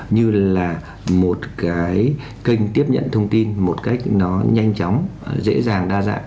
như là một cái kênh tiếp nhận thông tin một cách nó nhanh chóng dễ dàng đa dạng